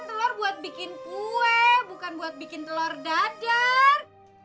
telor buat bikin kue bukan buat bikin telor dadar